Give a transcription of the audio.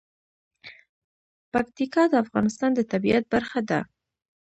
پکتیکا د افغانستان د طبیعت برخه ده.